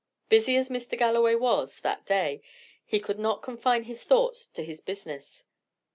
Busy as Mr. Galloway was, that day, he could not confine his thoughts to his business.